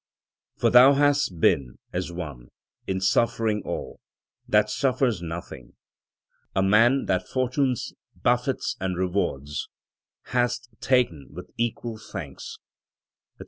for thou hast been, As one, in suffering all, that suffers nothing; A man that fortune's buffets and rewards Hast ta'en with equal thanks," &c.